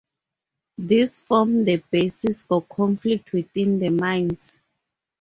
These form the basis for conflict within the mines.